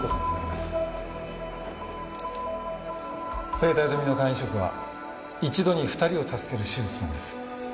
生体ドミノ肝移植は一度に２人を助ける手術なんです。